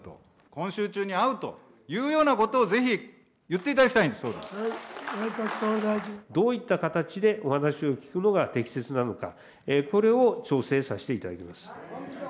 今週中に会うというようなことをぜひ言っていただきたいんですよ、どういった形でお話を聞くのが適切なのか、これを調整させていただきます。